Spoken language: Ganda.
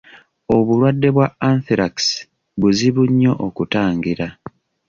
Obulwadde bwa Anthrax buzibu nnyo okutangira.